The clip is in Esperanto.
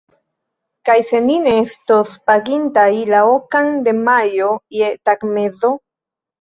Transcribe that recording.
Kaj se ni ne estos pagintaj, la okan de majo, je tagmezo?